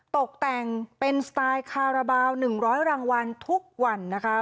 ตกแต่งเป็นสไตล์คาราบาล๑๐๐รางวัลทุกวันนะคะ